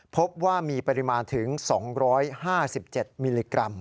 พบว่ามีปริมาณถึง๒๕๗มิลลิกรัม